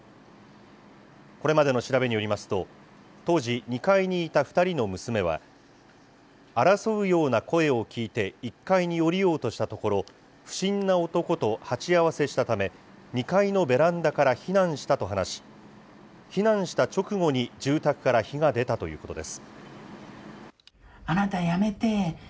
これまでの調べによりますと、当時、２階にいた２人の娘は、争うような声を聞いて１階に下りようとしたところ、不審な男と鉢合わせしたため、２階のベランダから避難したと話し、避難した直後に住宅から火が出たということです。